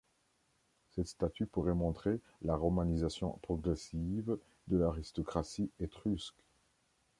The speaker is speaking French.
Cette statue pourrait montrer la romanisation progressive de l'aristocratie étrusque.